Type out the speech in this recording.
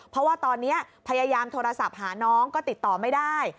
เพราะว่าตอนนี้พยายามโทรศัพท์หาน้องก็ติดต่อไม่ได้